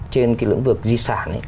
trên cái lưỡng vực di sản